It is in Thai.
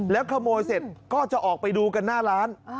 แล้วขโมยเสร็จก็จะออกไปดูกันหน้าร้าน